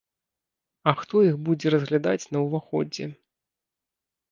А хто іх будзе разглядаць на ўваходзе?